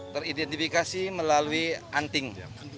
teridentifikasi melalui anting